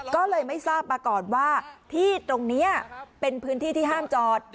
ก็เลยไม่ทราบมาก่อนว่าที่ตรงนี้เป็นพื้นที่ที่ห้ามจอด